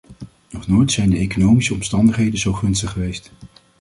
Nog nooit zijn de economische omstandigheden zo gunstig geweest.